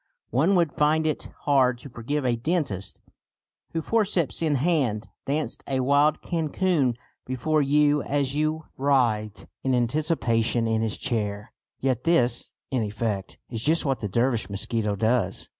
One would find it hard to forgive a dentist who, forceps in hand, danced a wild cancan before you as you writhed in anticipation in his chair. Yet this, in effect, is just what the Dervish mosquito does.